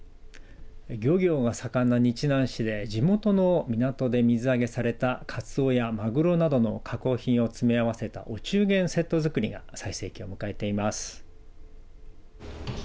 漁業が盛んな日南市で地元の港で水揚げされたカツオやマグロなどの加工品を詰め合わせたお中元セット作りが最盛期を迎えています。